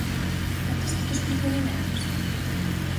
¿Con distintos procedementos?